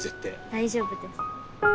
大丈夫です。